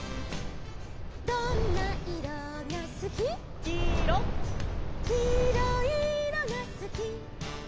「どんないろがすき」「」「きいろいいろがすき」